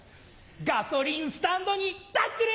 ガソリンスタンドにタックル！